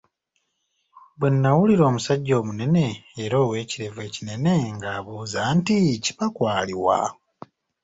Bwe nawulira omusajja omunene era ow'ekirevu ekinene ng'abuuza nti, Kipaku ali wa?